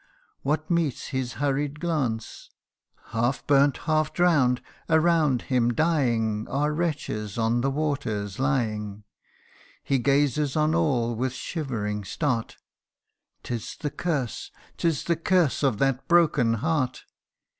What meets his hurried glance ? Half burnt, half drown'd, around him dying, Are wretches on the waters lying. He gazes on all with shivering start " 'Tis the curse 'tis the curse of that broken heart